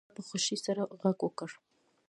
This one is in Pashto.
هغه په خوښۍ سره غږ وکړ